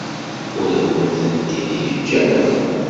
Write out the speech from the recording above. Ur awen-tent-id-yeǧǧa ara.